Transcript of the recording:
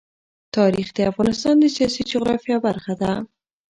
تاریخ د افغانستان د سیاسي جغرافیه برخه ده.